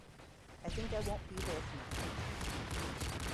I think I won't be there tonight.